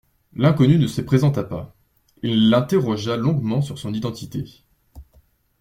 L’inconnu ne se présenta pas. Il l’interrogea longuement sur son identité.